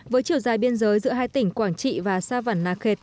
với chiều dài biên giới giữa hai tỉnh quảng trị và sa văn nà khệt